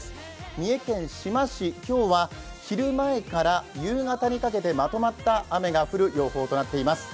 三重県志摩市、今日は昼前から夕方にかけてまとまった雨が降る予報となっています。